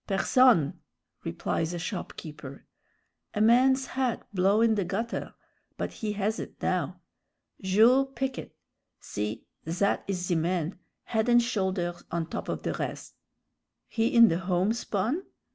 "Personne," replies a shopkeeper; "a man's hat blow' in the gutter; but he has it now. Jules pick' it. See, that is the man, head and shoulders on top the res'." "He in the homespun?"